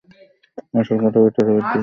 আসল কথা, ভিতরে ভিতরে বিদ্রোহ জমিতেছিল।